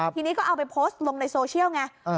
ทีนี้ก็เอาไปโพสต์ลงในโซเชียลไง